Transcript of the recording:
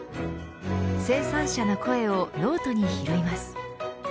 生産者の声をノートに拾います。